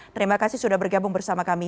terima kasih sudah bergabung bersama kami